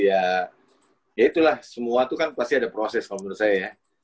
ya ya itulah semua itu kan pasti ada proses kalau menurut saya ya